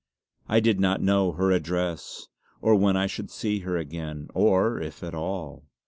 I did not know her address or when I should see her again, or if at all.